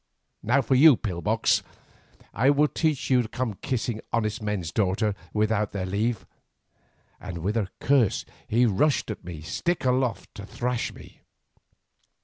Now for you, pill box. I will teach you to come kissing honest men's daughters without their leave," and with a curse he rushed at me, stick aloft, to thrash me.